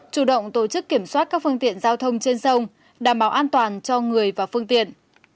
chủ động tổ chức kiểm soát các phương tiện giao thông trên sông đảm bảo an toàn cho người và phương tiện